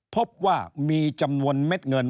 พบว่ามีจำนวนเม็ดเงิน